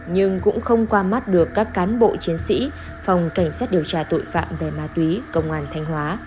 nhưng cũng không qua mắt được các cán bộ chiến sĩ phòng cảnh sát điều tra tội phạm về ma túy công an thanh hóa